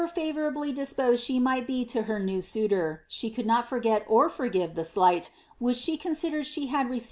avourably disposed she might be tn her new euilor, she nt or forgive the alight which she considered she hail rec .